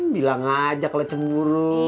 bilang aja kalau cemburu